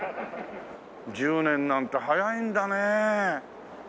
１０年なんて早いんだねえ。